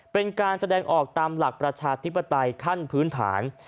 เป็นการแสดงออกตามหลักประชาธิปไตยขั้นพื้นฐาน